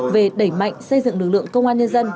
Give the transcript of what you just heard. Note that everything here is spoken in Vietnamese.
về đẩy mạnh xây dựng lực lượng công an nhân dân